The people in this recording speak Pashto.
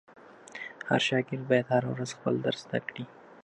هر شاګرد باید هره ورځ خپل درس زده کړي.